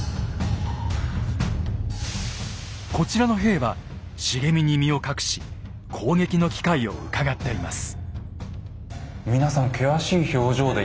こちらの兵は茂みに身を隠し攻撃の機会をうかがっています。